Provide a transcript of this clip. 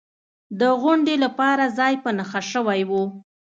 د غونډې لپاره ځای په نښه شوی و.